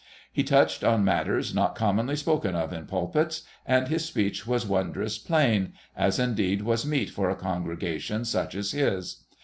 He touched on matters not commonly spoken of in pulpits, and his speech was wondrous plain, as indeed was meet for a congregation such as his.